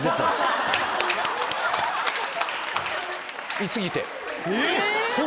居過ぎて。